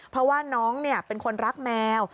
เพราะว่าน้องเป็นคนรักแมว